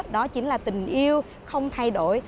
đó chính là tình yêu không thay đổi